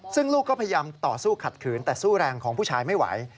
ซึ่งลูกก็พยายามต่อสู้ขัดขืนแต่สู้แรงของผู้ชายไม่ไหว